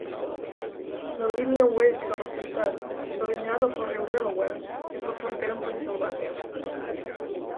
La línia oest de la ciutat, delineada pel riu Delaware, és la frontera amb Pennsilvània.